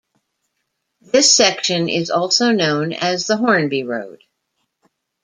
This section is also known as the Hornby Road.